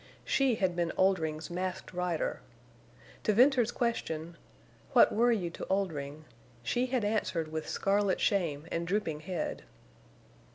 She had been Oldring's Masked Rider. To Venters's question, "What were you to Oldring?" she had answered with scarlet shame and drooping head.